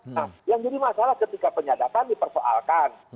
nah yang jadi masalah ketika penyadapan dipersoalkan